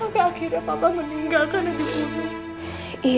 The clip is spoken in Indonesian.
sampai akhirnya papa meninggalkan dirimu